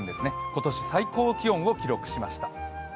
今年最高気温を記録しました。